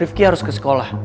riefky harus ke sekolah